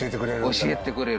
教えてくれる。